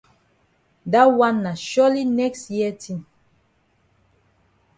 Dat wan na surely next year tin.